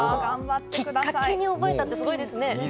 きっかけになったってすごいですね。